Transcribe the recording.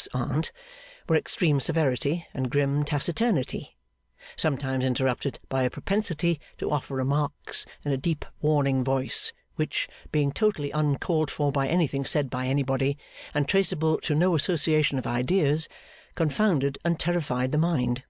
's Aunt, were extreme severity and grim taciturnity; sometimes interrupted by a propensity to offer remarks in a deep warning voice, which, being totally uncalled for by anything said by anybody, and traceable to no association of ideas, confounded and terrified the Mind.